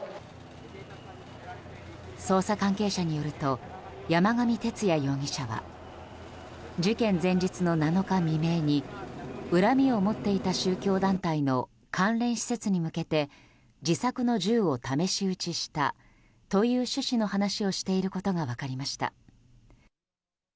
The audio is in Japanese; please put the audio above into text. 捜査関係者によると山上徹也容疑者は事件前日の７日未明に恨みを持っていた宗教団体の関連施設に向けて自作の銃を試し撃ちしたという趣旨の話をしていることが分かりました。